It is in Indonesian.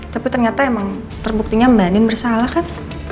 tapi ternyata emang terbuktinya mbak nin bersalah kan